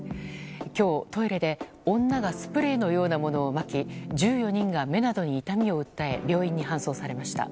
今日、トイレで女がスプレーのようなものをまき１４人が目などに痛みを訴え病院に搬送されました。